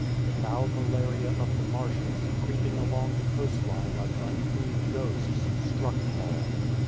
The foul malaria of the marshes, creeping along the coast line like unclean ghosts, struck Paul.